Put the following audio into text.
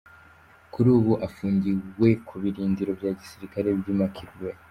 Kuri ubu afungiwe ku birindiro bya gisirikare by’i Makindye.